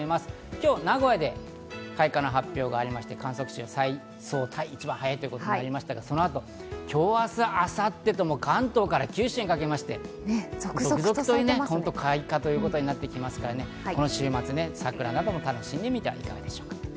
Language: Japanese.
今日、名古屋で開花の発表がありまして、観測史上最速タイとなりましたが、今日、明日、明後日と関東、九州にかけて続々と開花ということになってきますから、この週末、桜なども楽しんでみてはいかがでしょうか。